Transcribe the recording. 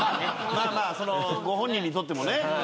まあまあご本人にとってもね。